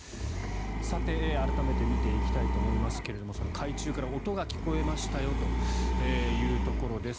さて、改めて見ていきたいと思いますが海中から音が聞こえましたよというところです。